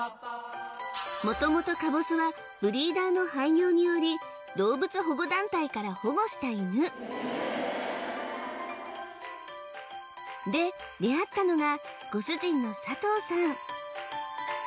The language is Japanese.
もともとかぼすはブリーダーの廃業により動物保護団体から保護した犬で出会ったのがご主人の佐藤さん